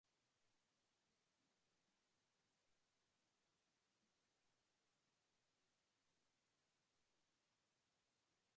Mipango hii mingine inaweza kutumia Tiba za mikabala ya MawazoTabia